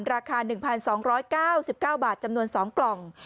ราคา๑๒๙๙บาทจำนวน๒กล่อง